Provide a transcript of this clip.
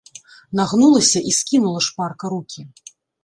Нагнулася і скінула шпарка рукі.